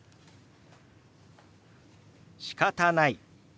「しかたない」。